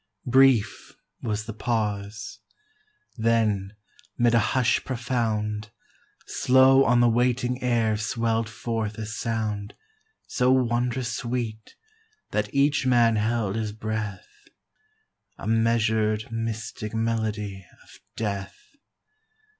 Brief was the pause; then, 'mid a hush profound, Slow on the waiting air swell'd forth a sound So wondrous sweet that each man held his breath; A measur'd, mystic melody of death.